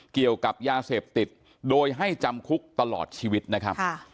เกี่ยวกับยาเสพติดโดยให้จำคุกตลอดชีวิตนะครับ